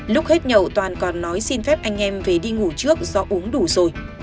lúc hết nhậu toàn còn nói xin phép anh em về đi ngủ trước do uống đủ rồi